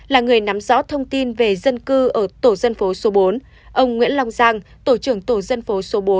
là người nắm rõ thông tin về dân cư ở tổ dân phố số bốn ông nguyễn long giang tổ trưởng tổ dân phố số bốn